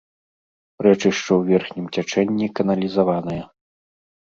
Рэчышча ў верхнім цячэнні каналізаванае.